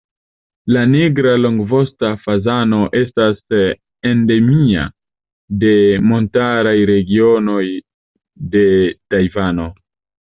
La Nigra longvosta fazano estas endemia de montaraj regionoj de Tajvano.